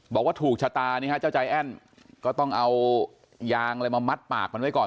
บอกว่าถูกชะตานี่ฮะเจ้าใจแอ้นก็ต้องเอายางอะไรมามัดปากมันไว้ก่อน